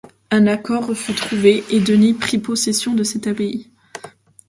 Un accord fut trouvé et Denis prit possession de cette abbaye.